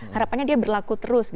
harapannya dia berlaku terus